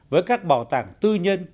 với các bảo tàng tư nhân